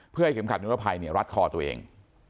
เพื่อให้เข็มขัดนิรภัยรัดคอตัวเอง